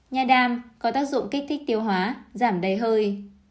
nha đam có tác dụng kích thích tiêu hóa giảm đầy hơi